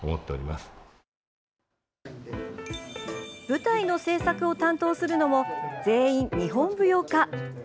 舞台の制作を担当するのも全員、日本舞踊家。